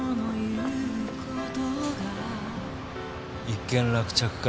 一件落着か。